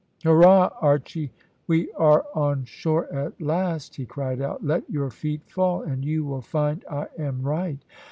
"Hurrah, Archy! we are on shore at last," he cried out. "Let your feet fall, and you will find I am right."